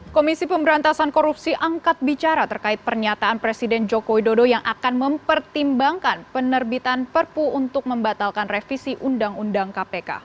komisi pemberantasan korupsi angkat bicara terkait pernyataan presiden joko widodo yang akan mempertimbangkan penerbitan perpu untuk membatalkan revisi undang undang kpk